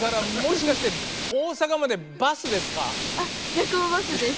夜行バスです。